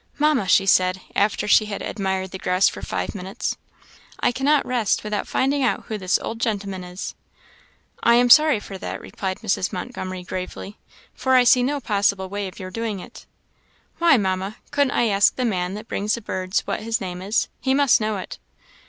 "Mamma," she said, after she had admired the grouse for five minutes, "I cannot rest without finding out who this old gentleman is." "I am sorry for that," replied Mrs. Montgomery, gravely, "for I see no possible way of your doing it." "Why, Mamma, couldn't I ask the man that brings the birds what his name is? He must know it."